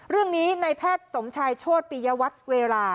เรื่องนี้ในแพทย์สมชายโชตปียวัตเวลา